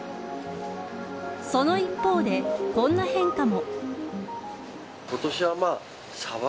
その一方で、こんな変化も。